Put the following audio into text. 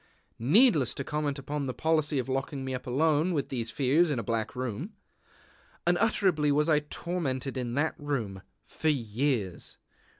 Needless to comment upon the policy of locking me up alone with these fears in a black room. Unutterably was I tormented in that room for years!